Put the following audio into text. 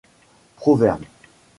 proverbe